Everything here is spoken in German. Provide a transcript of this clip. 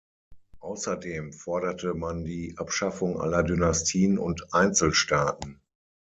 Außerdem forderte man die Abschaffung aller Dynastien und Einzelstaaten.